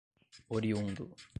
oriundo